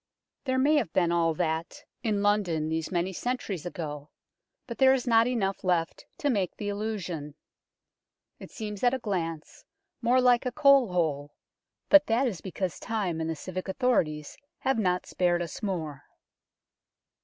There may have been all that in London 100 UNKNOWN LONDON LONDON'S ROMAN BATHS 101 these many centuries ago, but there is not enough left to make the illusion. It seems at a glance more like a coal hole, but that is because time and the civic authorities have not spared us more.